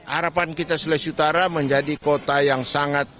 arapan kita sulawesi utara menjadi kota yang sangat berkembang